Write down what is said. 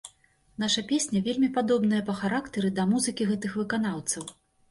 Наша песня вельмі падобная па характары да музыкі гэтых выканаўцаў.